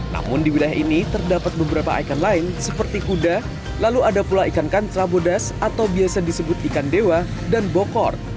namun di wilayah ini terdapat beberapa ikon lain seperti kuda lalu ada pula ikan kantra bodas atau biasa disebut ikan dewa dan bokor